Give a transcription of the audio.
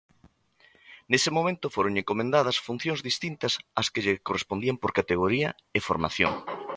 Nese momento, fóronlle encomendadas funcións distintas ás que lle correspondían por categoría e formación.